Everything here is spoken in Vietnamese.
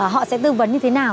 họ sẽ tư vấn như thế nào